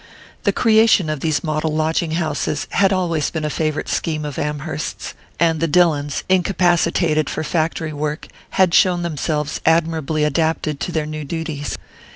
The creation of these model lodging houses had always been a favourite scheme of Amherst's, and the Dillons, incapacitated for factory work, had shown themselves admirably adapted to their new duties.